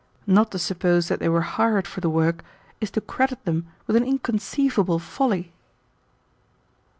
Not to suppose that they were hired for the work is to credit them with an inconceivable folly.